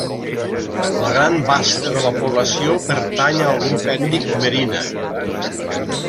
La gran vasta de la població pertany al grup ètnic Merina.